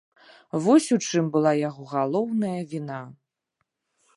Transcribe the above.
Вось у чым была яго галоўная віна.